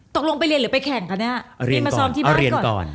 ต้องลงไปเรียนหรือไปแข่งกันเนี่ย